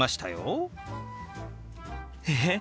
えっ？